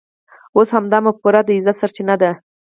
اوس همدا مفکوره د عزت سرچینه ده.